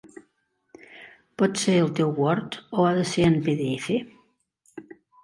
Pot ser el teu word o ha de ser en pe de efa?